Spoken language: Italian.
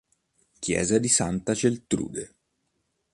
Chiesa di Santa Geltrude